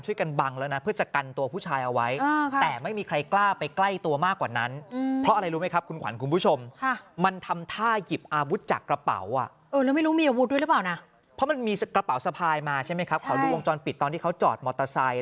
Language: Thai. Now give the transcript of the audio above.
ถึงกระเป๋าสะพายมาใช่ไหมครับขอลูกวงจรปิดตอนที่เขาจอดมอเตอร์ไซต์